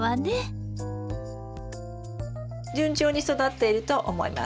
順調に育っていると思います。